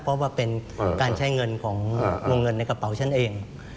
เพราะว่าเป็นการใช้เงินของวงเงินในกระเป๋าฉันเอง